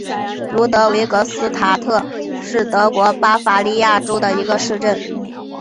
卢德维格斯塔特是德国巴伐利亚州的一个市镇。